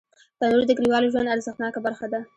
تنور د کلیوالو ژوند ارزښتناکه برخه ده